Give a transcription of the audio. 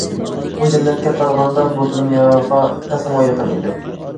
ئۇ جەننەتكە قارىغاندا، بۇ دۇنياغا تېخىمۇ يېقىن ئىدى.